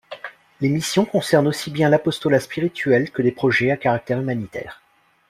Les missions concernent aussi bien l'apostolat spirituel que des projets à caractère humanitaire.